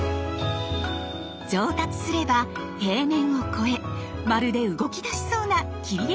上達すれば平面を超えまるで動きだしそうな「切り絵」